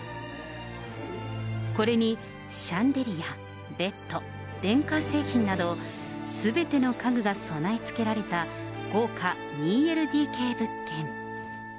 これにシャンデリア、ベッド、電化製品など、すべての家具が備え付けられた豪華２ＬＤＫ物件。